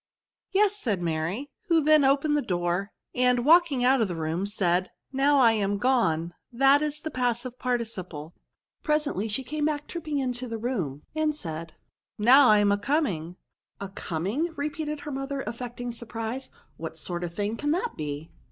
Yes," said Mary, who then opened the door, and, walking out of the room, said, Now I am gone ; that is the passive parti ciple." Presently she came back tripping into the room, and said, '^ Now I ama com ingP X 3 234 VERBi *" A coming /'* repeated her mother, affect ing surpriat; " what sort of thing can that be?